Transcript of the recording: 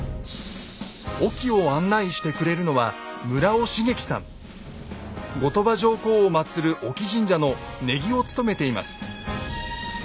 隠岐を案内してくれるのは後鳥羽上皇をまつる隠岐神社の禰宜を務めています。